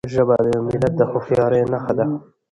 ژبه د یو ملت د هوښیارۍ نښه ده.